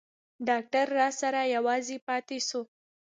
ډاکتر راسره يوازې پاته سو.